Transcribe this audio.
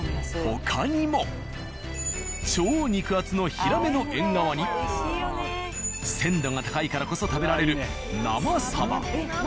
他にも超肉厚の平目のえんがわに鮮度が高いからこそ食べられる生さば。